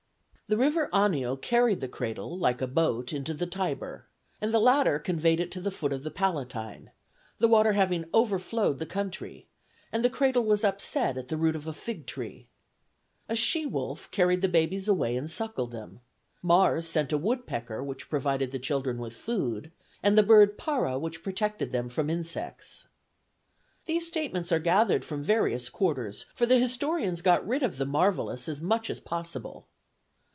The river Anio carried the cradle, like a boat, into the Tiber, and the latter conveyed it to the foot of the Palatine, the water having overflowed the country, and the cradle was upset at the root of a fig tree. A she wolf carried the babies away and suckled them; Mars sent a woodpecker which provided the children with food, and the bird parra which protected them from insects. These statements are gathered from various quarters; for the historians got rid of the marvellous as much as possible.